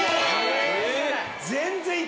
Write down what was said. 全然！